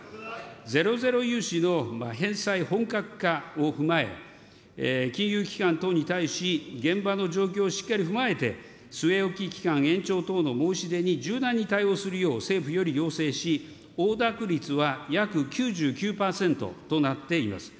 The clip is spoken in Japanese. ゼロゼロ融資の返済本格化を踏まえ、金融機関等に対し、現場の状況をしっかり踏まえて、据え置き期間延長等の申し出に柔軟に対応するよう、政府より要請し、応諾率は約９９％となっています。